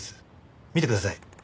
見てください。